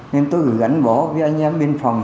nên tôi gắn bó với anh em biên phòng